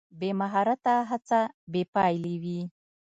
بې مهارته هڅه بې پایلې وي.